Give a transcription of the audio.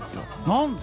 何で？